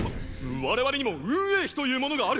我々にも運営費というものがある！